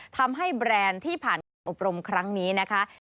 ทำให้แบรนด์ที่ผ่านอบรมครั้งนี้นะคะ